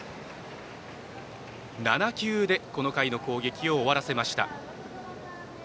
７球で、この回の攻撃を終わらせました。